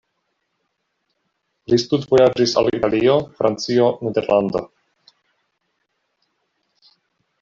Li studvojaĝis al Italio, Francio, Nederlando.